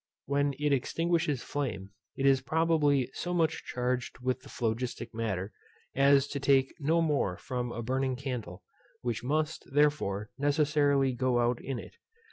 When it extinguishes flame, it is probably so much charged with the phlogistic matter, as to take no more from a burning candle, which must, therefore, necessarily go out in it.